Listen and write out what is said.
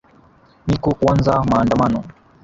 niko kuanza maandamano